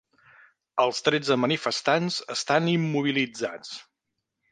Els tretze manifestants estan immobilitzats